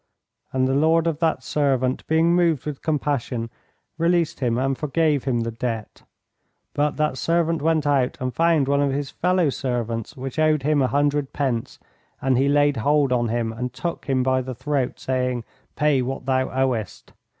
And the lord of that servant, being moved with compassion, released him and forgave him the debt. But that servant went out, and found one of his fellow servants which owed him a hundred pence; and he laid hold on him and took him by the throat, saying, Pay what thou owest.